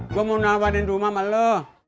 gue mau nawarin rumah sama lo